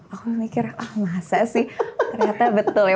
aku memikir ah masa sih ternyata betul ya